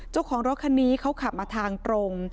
เจ้าของรถคันนี้เขาขับมาทางตรง